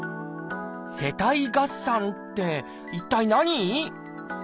「世帯合算」って一体何？